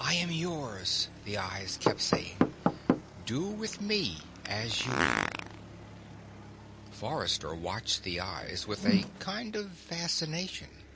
I am yours, the eyes kept saying. Do with me as you will. Forrester watched the eyes with a kind of fascination.